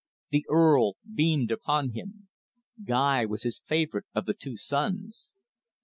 The Earl beamed upon him. Guy was his favourite of the two sons.